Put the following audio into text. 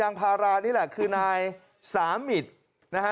อย่างพารานี่แหละคือนายสามมิตร